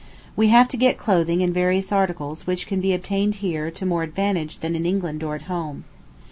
We have to get clothing and various articles which can be obtained here to more advantage than in England or at home.